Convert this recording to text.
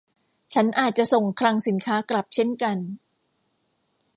ฉันอาจจะส่งคลังสินค้ากลับเช่นกัน